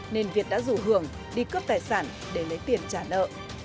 nên việt đã rủ hưởng đi cướp tài sản để lấy tiền trả nợ